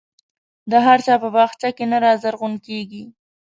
د هر چا په باغچه کې نه رازرغون کېږي.